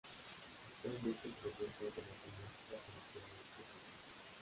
Actualmente es profesor de matemáticas en la Universidad de Princeton.